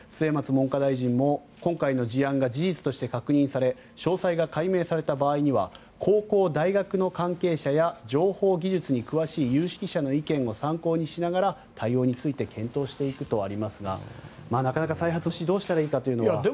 末松文科大臣も今回の事案が事実として確認され詳細が解明された場合には高校、大学の関係者や情報技術に詳しい有識者の意見を参考にしながら対応について検討していくとありますがなかなか再発防止どうしたらいいのかというのは。